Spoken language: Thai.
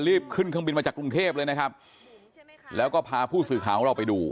รีบขึ้นเครื่องบินมาจากกรุงเทพเลยนะครับแล้วก็พาผู้สื่อข่าวของเราไปดู